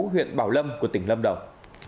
huyện bảo lâm của tỉnh lâm đồng